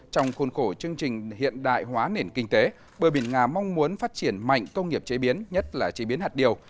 trong khuôn khổ chương trình hiện đại hóa nền kinh tế bờ biển nga mong muốn phát triển mạnh công nghiệp chế biến nhất là chế biến hạt điều